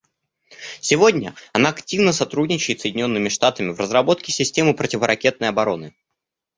Сегодня она активно сотрудничает с Соединенными Штатами в разработке системы противоракетной обороны.